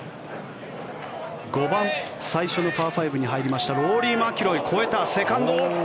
５番最初のパー５に入りましたローリー・マキロイ、越えたセカンド。